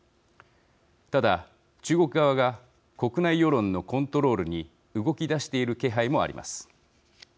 ただ、中国側が国内世論のコントロールに動き出している気配もあります。